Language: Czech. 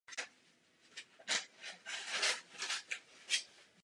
Možná je dobré na to pamatovat.